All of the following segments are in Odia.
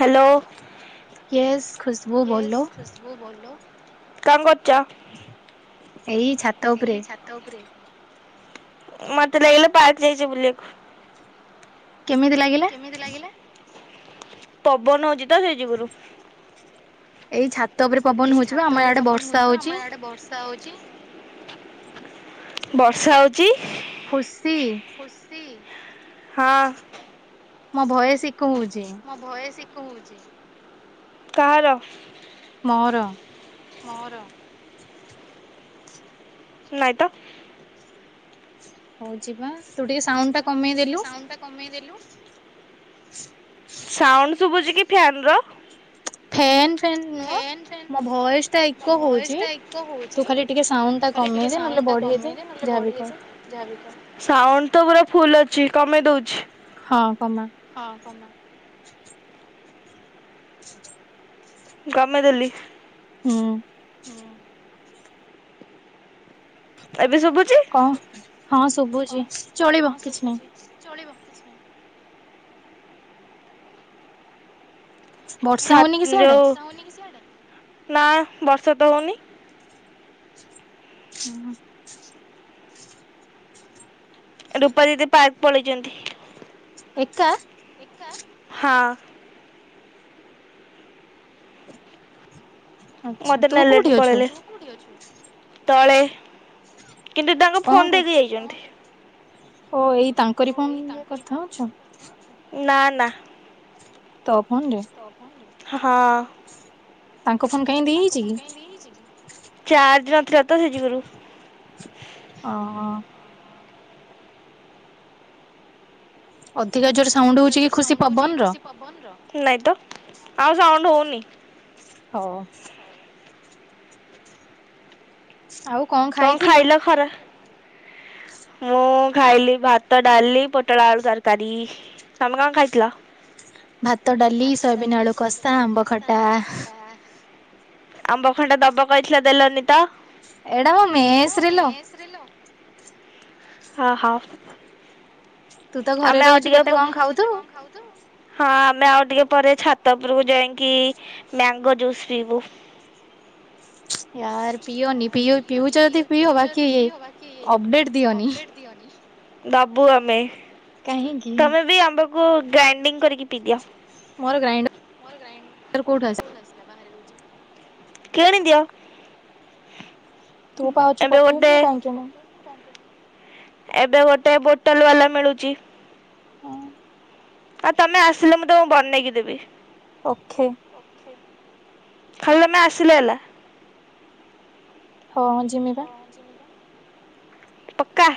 ହ୍ୟାଲୋ। ୟେସ୍ ଖୁସ ୟେସ୍ ଖୁଶବୁ ବୋଲୋ। କଣ କରୁଚ? ଛାତ ଉପରେ ମତେ ଲାଗିଲା ପାାର୍କ ଯାଇଚୁ ବୁଲିବାକୁ। କେମିତି ଲାଗିଲା? କେମିତି ଲାଗୀଲା ପବନ ହଉଛି ତ ସେ ଯୁଗରୁ। ଏଇ ଛାତ ଉପରେ ପବନ ହଉଛି ବା ଆମ ଆଡେ ବର୍ଷା ହଉଛି। ହୋଉଚି ବର୍ଷା ହଉଚି। ଖୁସି ହଁ। ମୋ ଭୟସ ଇକୋ ହଉଛି। ମୋଭୟେସ ଇକୋ ହଉଚି କାହାର? ମୋର। ମୋର। ନାଇତ। ହଉ ଚିପା ତୁ ଟିକେ ସାଉଣ୍ଡ ଟା କମେଇଦେଲୁ? କମେଇ ଦେଲୁ ସାଉଣ୍ଡ ଶୁଭୁଛି କି ଫ୍ୟନର? ଫ୍ୟାନ୍ ଫ୍ୟାନ୍ ନୁହଁ ମୋ ଭଏସ ଟା ଇକୋ ହୋଉଚି ତୁ ଖାଲି ଟିକେ ସାଉଣ୍ଡ ଟା କମେଇଦେ ନହେଲେ ବଢେଇ ଦେ ଯାହା ବି କର। ସାଉଣ୍ଡ ତ ପୁରା ଫୁଲୁ ଅଛି କମେଇ ଦଉଛି। ହଁ କମା ହଁ କମା ସେନ୍ତ କମେଇ ଦେଲି। ହଁ। ଏବେ ଶୁଭୁଛି? କଣ ହଁ ଶୁଭୁଛି ଚଳିବ କିଛି ନାହିଁ। ଚଳିବ କିଛି ଛାତ ଯୋଉ ନା ବର୍ଷ ତ ହଉନି। ଉଁ ହୁଁ। ରୂପା ଦିଦି ପାର୍କ ପଳେଇଛନ୍ତି। ଏକା? ଏକା ହଁ। ମତେ ନେଲେନି ପଳେଇଲେ। ତଳେ କିନ୍ତୁ ତାଙ୍କ ଫୋନ୍ ଦେଇ ଦେଇ ଯାଇଛନ୍ତି। ଓ ଏଇ ତାଙ୍କ ନା ନା। ତ ଫୋନ ରେ ହଁ। ତାଙ୍କ ଫୋନ୍ କାହିଁକ୍ ଚାର୍ଜ ନଥିଲା ତ ସେଇ ଯୁଗୁରୁ। ହଁ ହଁ। ଅଧିକା ଜୋରେ ସାଉଣ୍ଡ ହଉଛି କି ଖୁସି ପବନ ରୁ? ନାଇ ତ ଆଉ ସାଉଣ୍ଡ ହଉନି। ହଁ ଉ। ଆଉ କଣ ଖାଇଥିଲୁ? ଖରା ମୁଁ ଖାଇଲି ଭାତ, ଡାଲି, ପୋଟଳ ଆଳୁ ତରକାରୀ। ତମେ ଙ୍କ ଖାଇଥିଲ? ଭାତ, ଡାଲି, ସୋୟାବିିନ ଆଳୁ କଷା ଆମ୍ବ ଖଟା। ଆମ୍ବ ଖଟା ଦବ କହିଥିଲ ଦେଲନି ତ? ଏଇଟା ଆମ ମେସ୍ରେ ଲୋ। ହଁ! ହ! ତୁ ତ ଘରେ ରହୁଛୁ, କେତେ କଣ ଖାଉଥୁବୁ। ହଁ, ଆମେ ଆଉ ଟିକେ ପରେ ଛାତପୁରକୁ ଯାଇକି, ମ୍ୟାଙ୍ଗୋ ଜୁସ୍ ପିଇବୁ। ୟାର! ପିଓନି ପିଓନ୍ ପି, ପିଉଚ ଯଦି ପିଅ ବାକି ଅପଡେଟ ଦିଅନି। ଦବୁ ଆମେ, ତମେ ବି ଆମ୍ବକୁ ଗ୍ରାଇଣ୍ଡିଙ୍ଗ କରିକି ପିଇଦିଅ। ମୋର ଗ୍ରାଇଣ୍ଡର କୋଉଠୁ ଆ [unintelligible] କଣି ଦିଅ। ଏବେ ଗୋଟେ ଏବେ ଗୋଟେ ବୋଟଲ ବାଲା ମିଳୁଛି। ଆଉ ତମେ ଆସିଲେ, ମୁଁ ତମକୁ ମୁଁ ବନେଇକି ଦେବି। ଓକ୍ଷେ! ଖାଲି ତମେ ଆସିଲେ ହେଲା। ହ ଅ ଜିମିପା। ହଁ ମ୍ୟାଡ଼ାମ [inaudible] ପକ୍କା!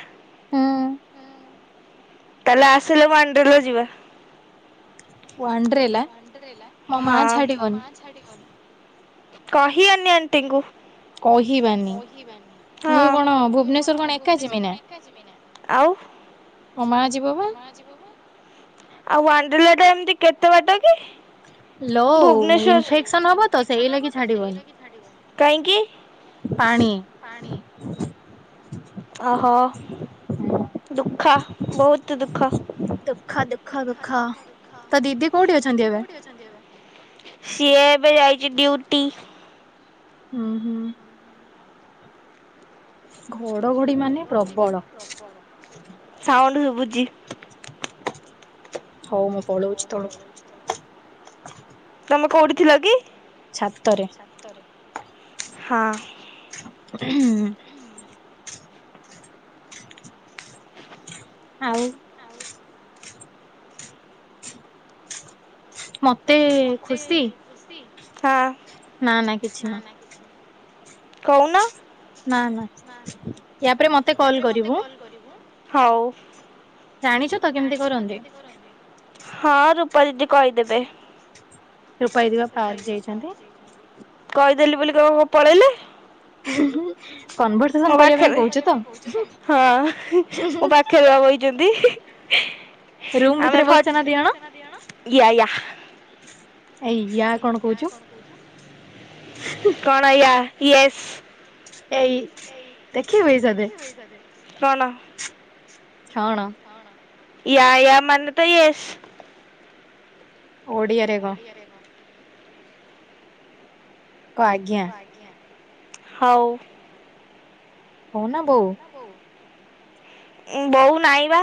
ତାହେଲେ ଆସିଲେ ମଣ୍ଡୁଡୁ ରେ ଯିବା। ୱାଣ୍ଡେଲା। ହଁ! କହି ଆନି ଆଣ୍ଟିଙ୍କୁୁ। ଅହିବାନି ମୁଁ କଣ ଭୁବନେଶ୍ୱର ର କଣ ଏକଠା ଯିବି ନା [inaudible] ଆଉ! ମୋ ମା ଯିବ ବା। ଆଉ, ୱାଣ୍ଡ୍ରେଲା ଟା ଏମତି କେତେ ବାଟ କି? ଭୁବନେଶ୍ୱର, କାଇଁ କି? ପାଣି। ଅହୋ! ହଁ [unintelligible] ଦୁଃଖ ବହୁତୁ ଦୁଃଖ। [unintelligible] ଦୁଃଖ ଦୁଃଖ ଦୁଃଖ। ତୋ ଦିଦି କୋଉଠି ଅଛନ୍ତି ଏବେ ସିଏ ଏବେ ଯାଇଚି ଡିୟୁଟି। ଉ ହୁଁ ଘଡ଼ଘଡ଼ି ମାନେ ପ୍ରବଳ। ସାଉଣ୍ଡୁ ସୁବୁଚି। ହଉ ମୁଁ ପଳଉଚି ତଳକୁ। ତମେ କୋଉଠି ଥିଲ କି। ଛାତରେ। ଛାତରେ ହଁ। ହୁଁ। [unintelligible] [inaudible] ଆଉ। ମତେ ମତେ ଖୁସି ହଁ ନା ନା କିଛି ନୁହ। କଉନ। ନା-ନା, ୟାପରେ ମତେ ହଉ! ଜାଣିଛୁ ତ କେମିତି କରନ୍ତି? ହଁ! ରୂପା ଦିଦି କହିଦେବେ। ରୂପା ଦିଦିପା ପାର୍କ ଯାଇଚନ୍ତି। କହିଦେଲି ବୋଲି କଣ ପଳେଇଲେ। ହୁ ହୁ। କନଭରସେସନ କରିବା ପାଇଁ କହୁଚି ତ ହୁ ହୁ ହୁ। ରୁମ୍ ଭିତରେ ବସିଛନା ଦିଜଣ। ଏ ୟା କଣ କୋଉଚୁ ହୁ। କଣ ଏୟା ୟସ୍। ଏଇ ଦେଖିିକି ପଇସା ଦେ। କଣ। ଛଣ। ଏଆ ଏଆ ମାନ ତ ଏସ୍। ଓଡ଼ିଆରେ କ। କ ଆଜ୍ଞା ଆଜ୍ଞା ହଉ। ହଉ ନା ବୋଉ ବୋଉ ବୋଉ ନାଇଁ ବା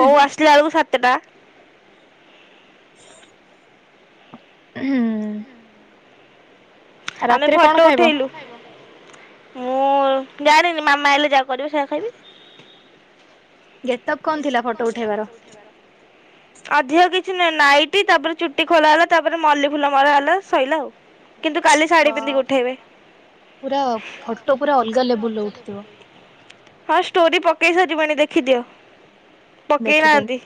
ବୋଉ ଆସିଲା ବେଳକୁ ସାତେଟା। [unintelligible] ହୁଁ। ଆମେ ଫଟୋ ଉଠେଇଲୁ। ମୁଁ ଜାଣିନି ମାମା ଆଇଲେ ଯାହା କରିବି ସେଇଆ ଖାଇବି। ଗେଟପ୍ କଣ ଥିଲା ଫଟୋ ଉଠେଇବାର। [unintelligible] [inaudible] ଅଧିକ କିଛି ନାଁଇ ନାଇଟି ତାପରେ ଚୁଟି ଖୋଲା ହେଲା ତାପରେ ମଲ୍ଲି ଫୁଲ ମରା ହେଲା ଶୋଇଲା ଆଉ। କିନ୍ତୁ କାଲି ସାଢୀ ପିନ୍ଧିକି ଉଠେଇବେ। ପୁରା ଫଟୋ ପୁରା ଅଲଗା ଲେବୁଲୁ ର ଉଠିଥିବ। ହଁ ଷ୍ଟୋରି ପକେଇ ସାରିବେଣି ଦେଖିଦିଅ ପକେଇ ନାହାନ୍ତି।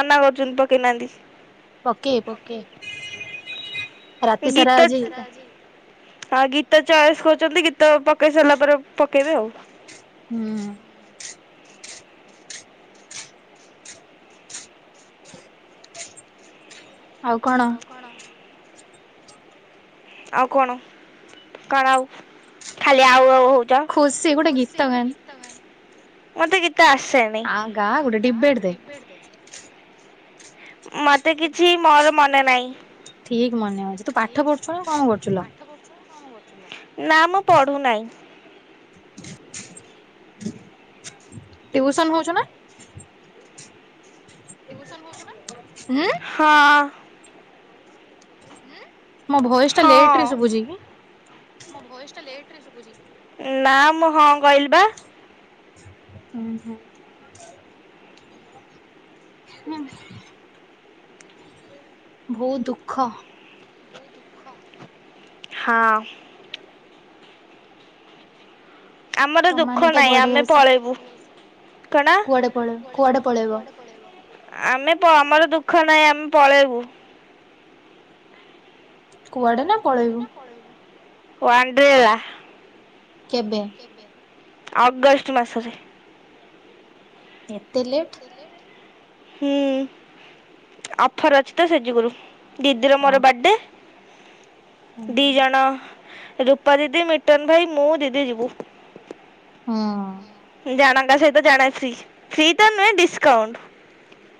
ମନା କରୁଛନ୍ତି ପକେଇନାହାନ୍ତି। ପକେଇ ପକେଇ ରାତି ସାରା ଆଜିଟା ଆଉ ଗୀତ ଚଏସ୍ କରୁଛନ୍ତି ଗୀତ ପକେଇ ସାରିଲା ପରେ ପକେଇବେ ଆଉ। ହୁଁ। ଆଉ କଣ। ଆଉ କଣ କଣ ଆଉ ଖାଲି ଆଉ ଆଉ ହଉ ଚ ଖୁସି ଗୋଟେ ଗୀତ ଗାଆନି ମତେ ଗୀତ ଆସେନି। ଆ ଗାଆ ଗୋଟେ ଡିବେଟ୍ ଦେ ମତେ କିଛି ମୋର ମନେ ନାହିଁ ଠିକ ମନେ ଅଛି ତୁ ପାଠ ପଢୁଛୁ ନା କଣ କରୁଛୁ ଲୋ। ନା ମୁଁ ପଢୁନାହିଁ। [inaudible] [inaudible] ଟ୍ୟୁସନ ହଉଛ ନା। ହଁ [unintelligible] ମୋ ଭୟସ ଟା ଲେଟରେ ସୁବୁଛି। ନାଁ ମୁଁ ହଁ କହିଲ ବା ହୁଁ ହୁଁ ହୁଁ ବହୁତ ଦୁଃଖ ହଁ [inaudible] [inaudible] ଆମର ଦୁଃଖ ନାହିଁ ଆମେ ପଳେଇବୁ କଣ। କୁଆଡେ ପଳେଇ କୁଆଡେ ପଳେଇବ? ଆମେ ଆମର ଦୁଃଖ ନାହିଁ ଆମେ ପଳେଇବୁ। କୁଆଡେ ନା ପଳେଇବୁ? ୱାନଡ୍ରେଲା କେବେ? ଅଗଷ୍ଟ ମାସରେ। ଏତେ ଲେଟ୍। ହୁଁ, ଅଫର ଅଛି ତ ସେ ଯୁଗୁରୁ, ଦିଦିର ମୋର ବାର୍ଥଡେ ଦି ଜଣ ରୂପା ଦିଦି, ମିଟନ ଭାଇ, ମୁଁ ଦିଦି ଯିବୁ। ହଁ ଅ ଜଣଙ୍କ ସହିତ ଜଣେ ଫ୍ରୀ, ଫ୍ରି ତ ନୁହେଁ ଡିସକାଉଣ୍ଟ।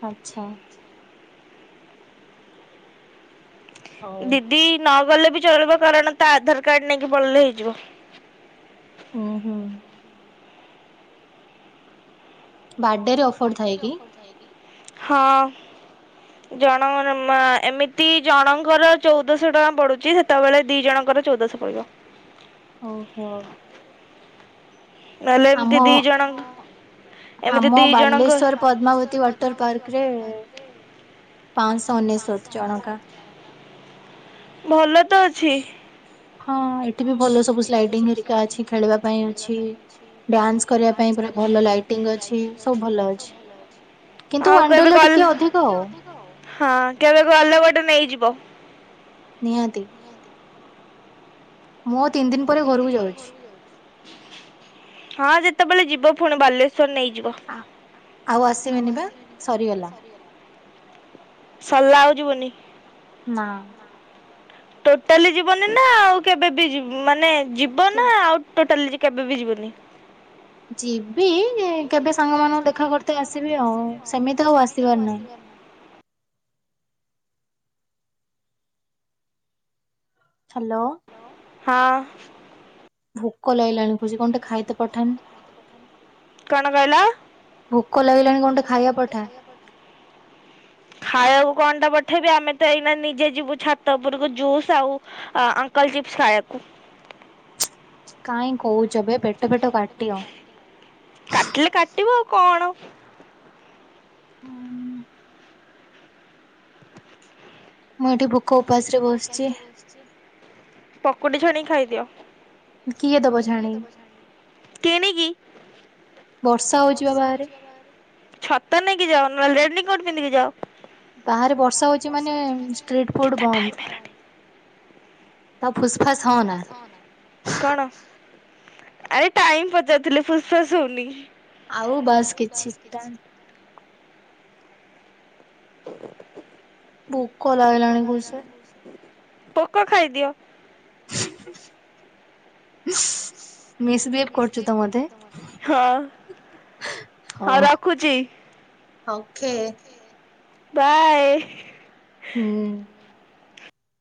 ଆଛା। ଦିଦି ନ ଗଲେ ବି ଚଳିବ କାରଣ ତା ଆଧାର କାର୍ଡ ନେଇକି ପଳେଇଲେ ହେଇଯିବ। ହୁଁ ହୁଁ। ବାର୍ଥଡେ ରେ ଅଫର ଥାଏ କି? ହଁ ଜଣଙ୍କର ମା, ଏମିତି ଜଣଙ୍କର ଚଉଦଶହ ଟଙ୍କା ପଡ଼ୁଛି, ସେତେବେଳେ ଦୁଇ ଜଣଙ୍କର ଚଉଦଶହ ପଡ଼ିବ। ଓହୋ ନହେଲେ ଏମିତି ଦି ଜଣଙ୍କୁ ଆମ ବାଲେଶ୍ଵର ପଦ୍ମାବତୀ ୱାଟର ପାର୍କରେ ପାଞ୍ଚଶହ ଅନେଶତ ଜଣଙ୍କା। ଭଲ ତ ଅଛି। ହଁ ଏଠି ବି ଭଲ ସବୁ। ସ୍ଲାଇଡିଙ୍ଗ ହେରିକା ଅଛି, ଖେଳିବା ପାଇଁ ଅଛି, ଡାନ୍ସ କରିବା ପାଇଁ ପୁରା ଭଲ ଲାଇଟ୍ ବୋଟିଂ ଅଛି, ସବୁ ଭଲ ଅଛି କିନ୍ତୁ ୱାନ୍ଦରଲା ଟିକେ ଅଧିକ ଆଉ ହଁ କେବେ ଗୋଟେ ନେଇଯିବ। ନିହାତି ମୁଁ ତିନି ଦିନ ପରେ ଘରକୁ ଯାଉଛି। ହଁ ଯେତେବେଳେ ଯିବ ପୁଣି ବାଲେଶ୍ଵର ନେଇଯିବ। ଆଉ ଆସିବେନି ପା, ସରିଗଲା। ସରିଲା ଆଉ ଯିବୁନି। ନା ଆ ଟୋଟାଲି ଯିବନି ନା ଆଉ କେବେ ବି ମାନେ, ଯିବ ନା ଆଉ ଟୋଟାଲି ଯେ କେବେ ବି ଯିବନି। ଯିବି କେବେ ସାଙ୍ଗ ମାନଙ୍କୁ ଦେଖା କରତ ଆସିବି ଆଉ, ସେମିତି ଆଉ ଆସିବାର ନାହିଁ। ହାଲୋ ହଁ ଅ ଭୋକ ଲାଗିଲାଣି ଖୋସି କଣ ଟେ ଖାଇତେ ପଠାନ୍। ଭୋକ ଲାଗିଲାଣି କଣେ ଖାଇବା ପଠା। [inaudible] ଖାଇବାକୁ କଣ୍ଟା ପଠେଇବି ଆମେ ତ ଏଇନା ନିଜେ ଯିବୁ ଛାତ ଉପରକୁ ଜୁସ୍ ଆଉ ଅ ଅଙ୍କଲ ଚିପ୍ସ ଖାଇବାକୁ। କାଇହିଁ କହୁଛ ଏ ପେଟ ପେଟ କାଟିଅ। କାଟିଲ କାଟିିବ କଣ? ହୁଁ ଉଁ ମୁଁ ଏଠି ଭୋକ ଉପାସ ରେ ବସିଛି। [unintelligible] ପକୁଡି ଛାଣିକି ଖାଇଦିଅ? କିଣିକି। ବର୍ଷା ହଉଛି ବା ବାହାରେ। ଛତା ନେଇକି ଯାଅ, ନହେଲେ ରେନିକୋଟ ପିନ୍ଧିକି ଯାଅ। ବାହାରେ ବର୍ଷା ହଉଛି ମାନେ ଷ୍ଟ୍ରିଟ ଫୁଡ ବନ୍ଦ। କଣ? ଆରେ ଟାଇମ ପଚାରୁଥିଲେ, ଫୁସଫାସ ହଉନି। ଆଉ ବାସ୍ କିଛିଟା [unintelligible] ପୋକ ଖାଇଦିଅ। ହଁ ଅ ହଁ ରଖୁଛି। ଓକେ ବାଏ ହୁଁ